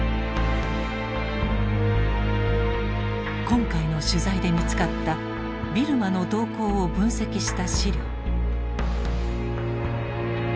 今回の取材で見つかったビルマの動向を分析した資料。